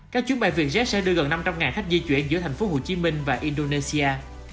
các chuyến bay vietjet sẽ đưa gần năm trăm linh khách di chuyển giữa thành phố hồ chí minh và indonesia